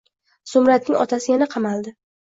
Zumradning otasi yana qamaldi.